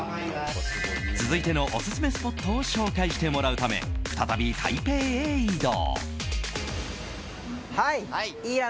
続いてのオススメスポットを紹介してもらうため再び台北へ移動。